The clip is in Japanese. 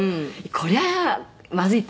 こりゃまずいと」